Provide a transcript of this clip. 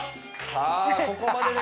さあここまでで。